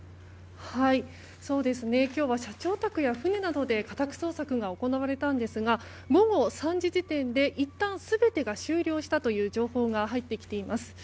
今日は社長宅や船などで家宅捜索が行われたんですが午後３時時点でいったん、全てが終了したという情報が入ってきています。